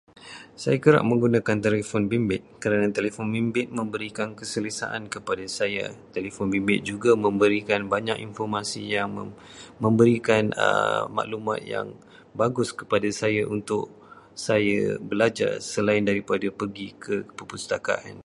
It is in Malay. Saya kerap menggunakan telefon bimbit kerana telefon bimbit memberikan keselesaan kepada saya. Telefon bimbit juga memberikan banyak informasi yang- memberikan maklumat yang bagus kepada saya untuk saya belajar selain daripada pergi ke perpustakaan.